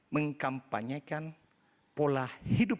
mengkampanyekan pola hidup